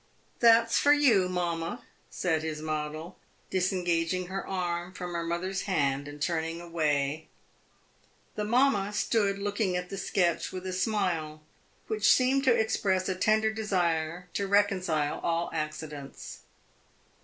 "That 's for you, mamma," said his model, disengaging her arm from her mother's hand and turning away. The mamma stood looking at the sketch with a smile which seemed to express a tender desire to reconcile all accidents.